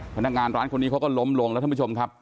พนักงานร้านคนนี้เขาก็ล้มลงแล้วท่านผู้ชมครับ